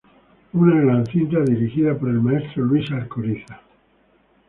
Una gran cinta dirigida por el maestro Luis Alcoriza.